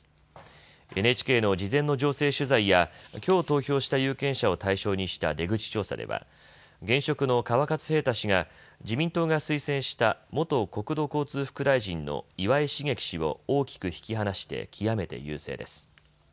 ＮＨＫの事前の情勢取材やきょう投票した有権者を対象にした出口調査では現職の川勝平太氏が自民党が推薦した元国土交通副大臣の岩井茂樹氏を大きく引き離して極めて優勢です。